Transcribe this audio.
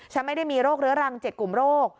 ไม่ได้มีโรคเรื้อรัง๗กลุ่มโรค